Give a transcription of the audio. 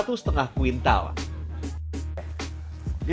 pertama dikonsumsi ke dalam sehari